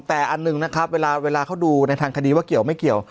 แต่อันหนึ่งนะครับเวลาเขาดูในทางคดีว่าเกี่ยวไม่เกี่ยว